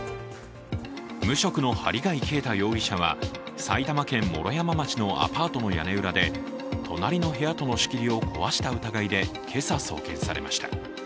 無職の針谷啓太容疑者は埼玉県毛呂山町のアパートの屋根裏で隣の部屋との仕切りを壊した疑いで今朝、送検されました。